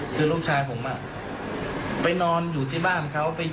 คือลูกชายผมไปนอนอยู่ที่บ้านเขา